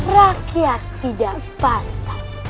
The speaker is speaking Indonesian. rakyat tidak patah